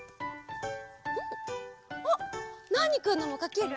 あっナーニくんのもかける？